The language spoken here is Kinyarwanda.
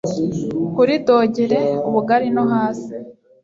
Kuri dogere ubugari no hasi